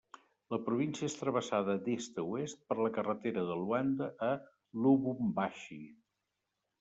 La província és travessada d'est a oest per la carretera de Luanda a Lubumbashi.